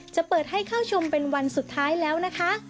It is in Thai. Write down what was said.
จะเปิดให้เข้าชมเป็นวันสุดท้ายแล้วนะคะ